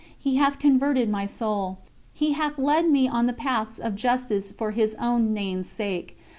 He hath converted my soul. He hath led me on the paths of justice for His own Name's sake.